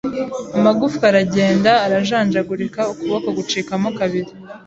amagufwa aragenda arajanjagurika ukuboko gucikamo kabiri